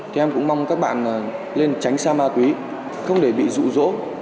thì em cũng mong các bạn lên tránh xa ma túy không để bị dụ dỗ